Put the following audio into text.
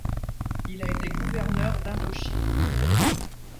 Il a été gouverneur d'Indochine.